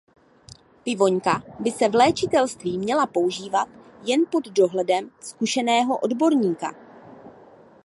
Pivoňka by se v léčitelství měla používat jen pod dohledem zkušeného odborníka.